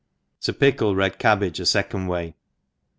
T0 pickle Red Cabbage afecond Wey.